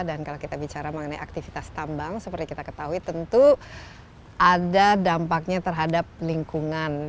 dan kalau kita bicara mengenai aktivitas tambang seperti kita ketahui tentu ada dampaknya terhadap lingkungan